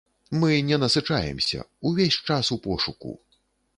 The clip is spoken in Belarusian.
Мы не насычаемся, ўвесь час ў пошуку.